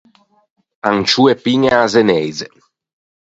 Ancioe piñe a-a zeneise.